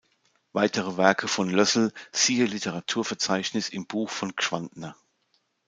Weitere Werke von Lössl siehe Literaturverzeichnis im Buch von Gschwandtner.